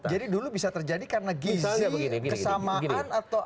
jadi dulu bisa terjadi karena gizi kesamaan atau